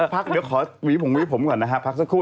พักเดี๋ยวขอหวีผมค่อนกันนะครับพักสักครู่